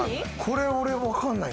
これ俺分かんない。